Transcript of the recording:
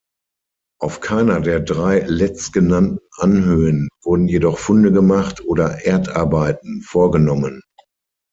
Auf keiner der drei letztgenannten Anhöhen wurden jedoch Funde gemacht oder Erdarbeiten vorgenommen.